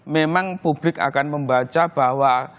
memang publik akan membaca bahwa